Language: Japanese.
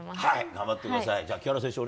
頑張ってください。